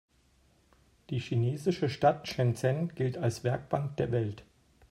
Die chinesische Stadt Shenzhen gilt als „Werkbank der Welt“.